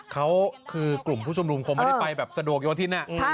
เขาคือกลุ่มผู้ชุมนุมคงไม่ได้ไปแบบสะดวกโยธิน